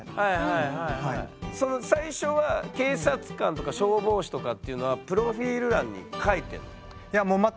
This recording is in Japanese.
最初は警察官とか消防士とかっていうのはプロフィール欄に書いてるの？